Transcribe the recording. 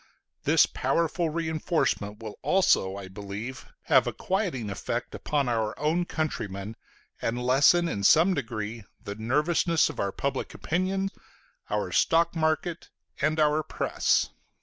This powerful reinforcement will also, I believe, have a quieting effect upon our own countrymen, and lessen in some degree the nervousness of our public opinion, our stock market, and our press.